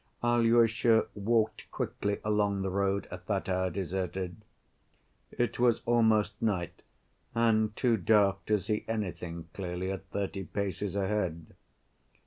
Alyosha walked quickly along the road, at that hour deserted. It was almost night, and too dark to see anything clearly at thirty paces ahead.